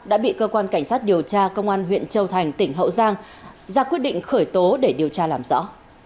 đã bị cơ quan cảnh sát điều tra công an huyện châu thành tỉnh hậu giang ra quyết định khởi tố để điều tra làm rõ